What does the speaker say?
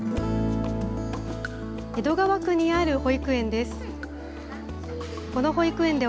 江戸川区にある保育園です。